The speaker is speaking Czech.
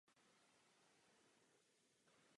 To je skutečnost.